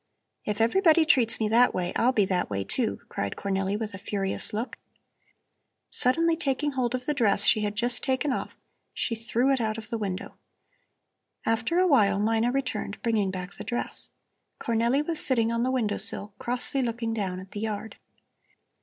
"If everybody treats me that way I'll be that way, too," cried Cornelli with a furious look. Suddenly taking hold of the dress she had just taken off she threw it out of the window. After a while Mina returned, bringing back the dress. Cornelli was sitting on the window sill crossly looking down at the yard.